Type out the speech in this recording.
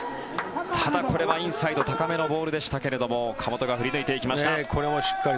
ただ、これはインサイド高めのボールでしたけれども岡本が振り抜いていきました。